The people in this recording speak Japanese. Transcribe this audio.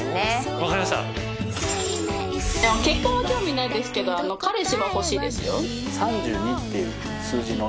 結婚は興味ないですけど彼氏は欲しいですよ。